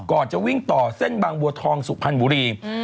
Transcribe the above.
จะวิ่งต่อเส้นบางบัวทองสุพรรณบุรี